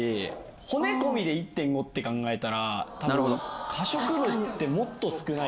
骨込みで１．５って考えたら多分可食部ってもっと少ない。